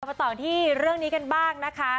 มาต่อที่เรื่องนี้กันบ้างนะคะ